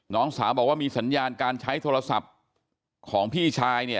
น้องสาวบอกว่ามีสัญญาณการใช้โทรศัพท์ของพี่ชายเนี่ย